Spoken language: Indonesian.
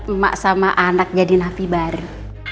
emak sama anak jadi napi baru